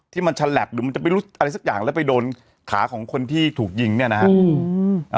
ที่มันฉลับหรือมันจะไปรู้อะไรสักอย่างแล้วไปโดนขาของคนที่ถูกยิงเนี่ยนะฮะ